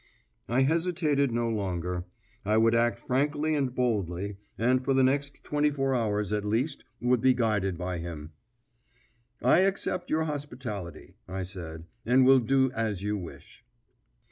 I hesitated no longer. I would act frankly and boldly, and for the next twenty four hours at least would be guided by him. "I accept your hospitality," I said, "and will do as you wish."